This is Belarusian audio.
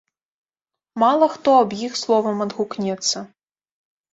Мала хто аб іх словам адгукнецца.